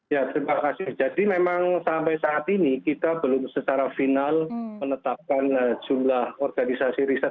ya terima kasih jadi memang sampai saat ini kita belum secara final menetapkan jumlah organisasi riset